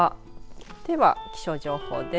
では気象情報です。